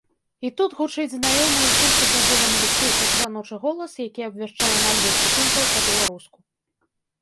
І тут гучыць знаёмы ўсім пасажырам электрычак жаночы голас, які абвяшчае назвы прыпынкаў па-беларуску.